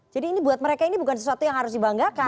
jadi ini buat mereka ini bukan sesuatu yang harus dibanggakan